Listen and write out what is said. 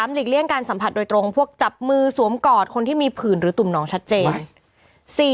หลีกเลี่ยงการสัมผัสโดยตรงพวกจับมือสวมกอดคนที่มีผื่นหรือตุ่มน้องชัดเจน